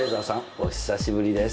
お久しぶりです！